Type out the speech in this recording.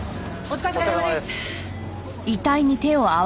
お疲れさまです。